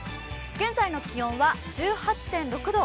現在の気温は１８．６度。